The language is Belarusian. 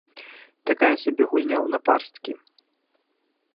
Такая сабе гульня ў напарсткі.